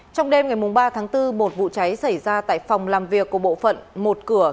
trong đêm ngày ba tháng bốn một vụ cháy xảy ra tại phòng làm việc của bộ phận một cửa